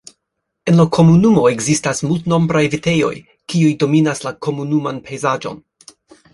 En la komunumo ekzistas multnombraj vitejoj, kiuj dominas la komunuman pejzaĝon.